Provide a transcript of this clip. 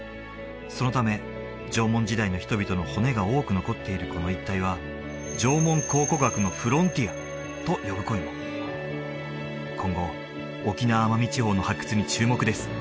そのため縄文時代の人々の骨が多く残っているこの一帯はと呼ぶ声も今後沖縄奄美地方の発掘に注目です